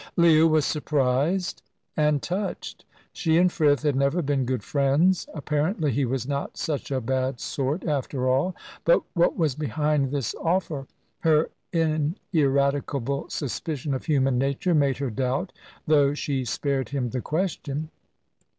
Leah was surprised, and touched. She and Frith had never been good friends. Apparently, he was not such a bad sort after all. But what was behind this offer? Her ineradicable suspicion of human nature made her doubt, though she spared him the question.